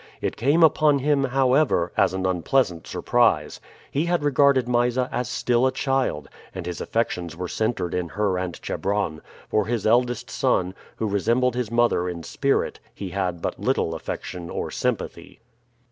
It came upon him, however, as an unpleasant surprise. He had regarded Mysa as still a child, and his affections were centered in her and Chebron; for his eldest son, who resembled his mother in spirit, he had but little affection or sympathy.